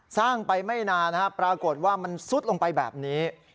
สร้างไปไม่นานปรากฏว่ามันซุดลงไปแบบนี้